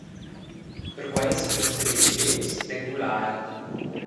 Perquei sun jeu sedecidius d’engular el.